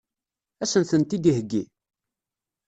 Ad sen-tent-id-iheggi?